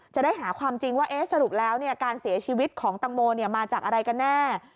จะได้หาความจริงว่าสรุปแล้วการเสียชีวิตของตังโมมาจากอะไรกันแน่